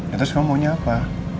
terus kamu maunya apa